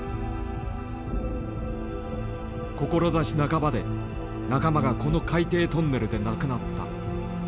志半ばで仲間がこの海底トンネルで亡くなった。